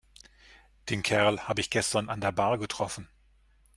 Den Kerl habe ich gestern an der Bar getroffen.